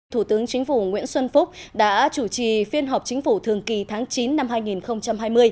thủ tướng chính phủ nguyễn xuân phúc đã chủ trì phiên họp chính phủ thường kỳ tháng chín năm hai nghìn hai mươi